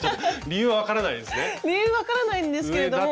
理由分からないんですけれども。